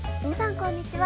こんにちは。